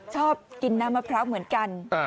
ชอบกินน้ำมะพร้าวเหมือนกัน